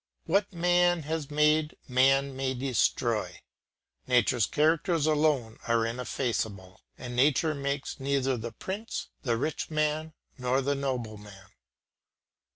What man has made, man may destroy. Nature's characters alone are ineffaceable, and nature makes neither the prince, the rich man, nor the nobleman.